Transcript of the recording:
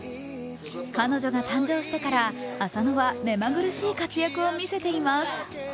彼女が誕生してから浅野は目まぐるしい活躍を見せています。